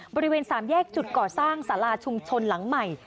บริเวณสามแยกจุดก่อสร้างสาราชุมชนหลังใหม่